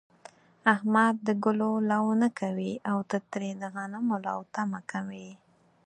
احمد د گلو لو نه کوي، او ته ترې د غنمو لو تمه کوې.